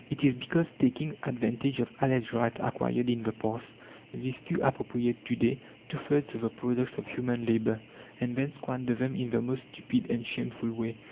It is because, taking advantage of alleged rights acquired in the past, these few appropriate to day two thirds of the products of human labour, and then squander them in the most stupid and shameful way.